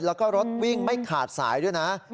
แล้วก็รถวิ่งไม่ขาดสายด้วยนะ